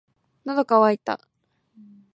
喉乾いた